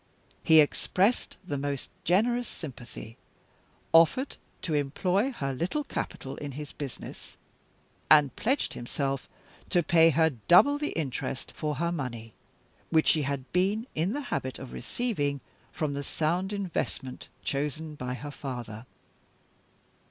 He expressed the most generous sympathy offered to employ her little capital in his business and pledged himself to pay her double the interest for her money, which she had been in the habit of receiving from the sound investment chosen by her father."